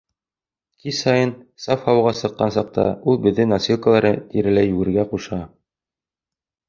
Кис һайын, саф һауаға сыҡҡан саҡта, ул беҙҙе носилкалары тирәләй йүгерергә ҡуша.